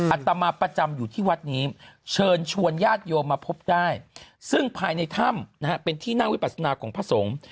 อัตมาประจำอยู่ที่วัดนี้เชิญชวนญาติโยมมาพบได้ซึ่งภายในถ้ำนะฮะเป็นที่นั่งวิปัสนาของพระสงฆ์